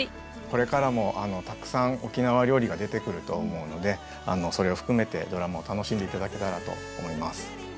これからもたくさん沖縄料理が出てくると思うのでそれを含めてドラマを楽しんで頂けたらと思います。